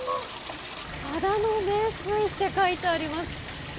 秦野名水って書いてあります。